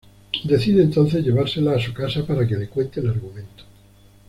Decide entonces llevársela a su casa para que le cuente el argumento.